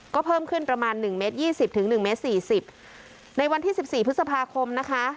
ก็เพิ่มขึ้นประมาณหนึ่งเมตรยี่สิบถึงหนึ่งเมตรสี่สิบในวันที่สิบสี่พฤษภาคมนะคะ